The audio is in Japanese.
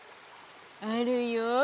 あるよ。